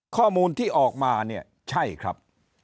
ข้อมูลที่ออกมาเนี่ยใช่ครับ